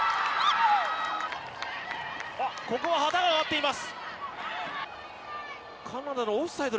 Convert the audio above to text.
ここは旗が挙がっています。